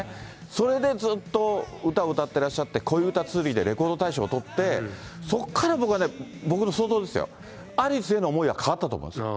それでずっと歌を歌ってらっしゃって、こいうたつづりで、をとって、そこから僕はね、僕の想像ですよ、アリスへの思いは変わったと思いますよ。